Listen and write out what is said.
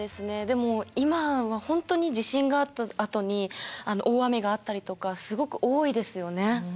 でも今は地震があったあとに大雨があったりとかすごく多いですよね。